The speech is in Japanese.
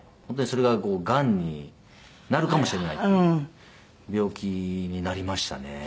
本当にそれががんになるかもしれないっていう病気になりましたね。